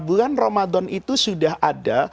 bulan ramadan itu sudah ada